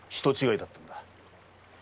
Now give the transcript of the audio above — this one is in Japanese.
人違いだったのだ。